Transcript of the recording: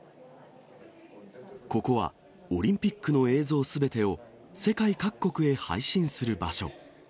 ここはオリンピックの映像すべてを、世界各国へ配信する場所。